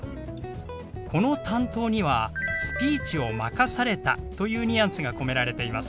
この「担当」には「スピーチを任された」というニュアンスが込められています。